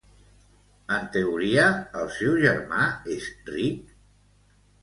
En teoria el seu germà és ric?